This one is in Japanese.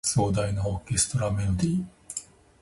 壮大なオーケストラメロディ